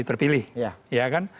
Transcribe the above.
terpilih ya kan